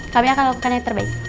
kami akan lakukan yang terbaik